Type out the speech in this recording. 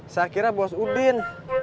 shakira bos udin